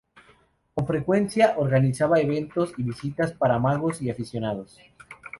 Con frecuencia, organizaba eventos y visitas para magos y aficionados.